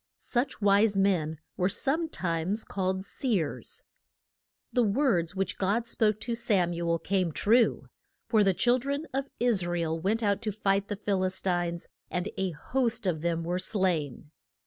Such wise men were some times called seers. The words which God spoke to Sam u el came true; for the chil dren of Is ra el went out to fight the Phil is tines, and a host of them were slain.